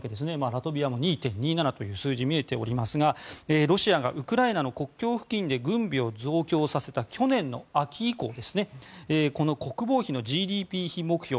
ラトビアも２．２７という数字が見えておりますがロシアがウクライナの国境付近で軍備を増強させた去年の秋以降この国防費のＧＤＰ比目標